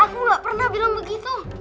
aku nggak pernah bilang begitu